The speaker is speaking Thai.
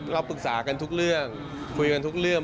เราปรึกษากันทุกเรื่องคุยกันทุกเรื่อง